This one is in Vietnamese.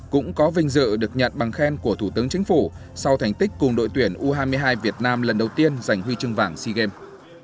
cũng có vinh dự được nhận bằng khen của thủ tướng chính phủ sau thành tích cùng đội tuyển u hai mươi hai việt nam lần đầu tiên giành huy chương vàng sea games